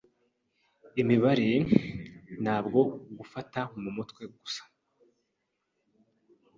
Imibare ntabwo gufata mu mutwe gusa.